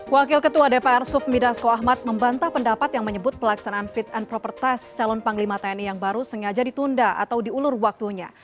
wakil ketua dpr sufmi dasko ahmad membantah pendapat yang menyebut pelaksanaan fit and proper test calon panglima tni yang baru sengaja ditunda atau diulur waktunya